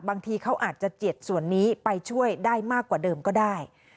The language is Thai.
บางทีเขาอาจจะเจียดส่วนนี้ไปช่วยได้มากกว่าเดิมก็ได้